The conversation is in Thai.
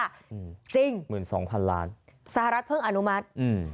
จริง๑๒๐๐๐ล้านสหรัฐเพิ่งอนุมัติ